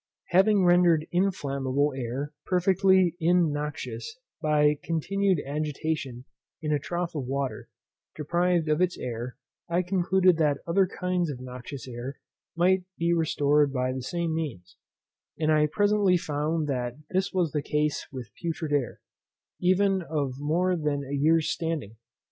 Having rendered inflammable air perfectly innoxious by continued agitation in a trough of water, deprived of its air, I concluded that other kinds of noxious air might be restored by the same means; and I presently found that this was the case with putrid air, even of more than a year's standing.